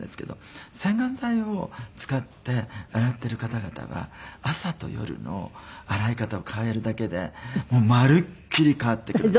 洗顔剤を使って洗っている方々は朝と夜の洗い方を変えるだけでまるっきり変わってくるんです。